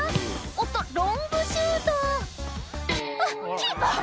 おっとロングシュートあっキーパー